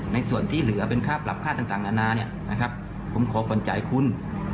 ในส่วนที่เหลือเป็นค่าปรับค่าต่างนานาผมขอผ่อนจ่ายคุณ